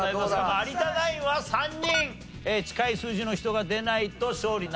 有田ナインは３人近い数字の人が出ないと勝利になりません。